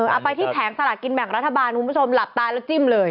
เอาไปที่แผงสละกินแบ่งรัฐบาลคุณผู้ชมหลับตาแล้วจิ้มเลย